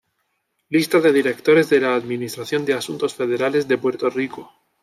Lista de Directores de la Administración de Asuntos Federales de Puerto Rico